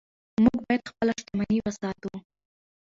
موږ باید خپله شتمني وساتو.